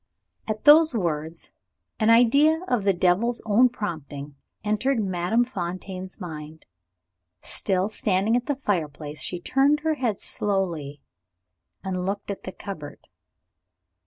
At those words, an idea of the devil's own prompting entered Madame Fontaine's mind. Still standing at the fireplace, she turned her head slowly, and looked at the cupboard.